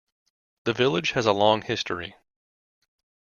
The village has a long history.